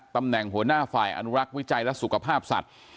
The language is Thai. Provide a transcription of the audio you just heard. ตำแหน่งหัวหน้าฝ่ายอนุรักษ์วิจัยและสุขภาพสัตว์